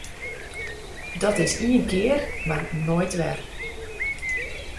Dat is ien kear mar noait wer!